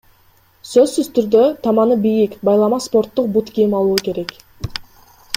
Сөзсүз түрдө — таманы бийик, байлама спорттук бут кийим алуу керек.